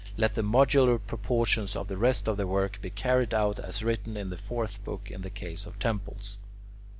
Let the modular proportions of the rest of the work be carried out as written in the fourth book in the case of temples.